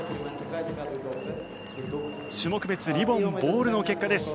種目別リボン・ボールの結果です。